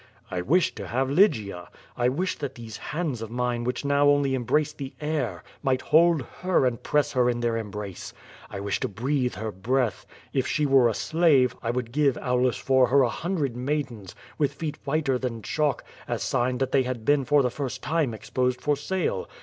"I wish to have Lygia. I wish that these hands of mine which now only embrace the air, might hold her and press her in their embrace. I wish to breathe her breath. If she were a slave, I would give Aulus for her a hundred maidens, with feet whiter than chalk, as sign that they had been for the first time exposed for sale.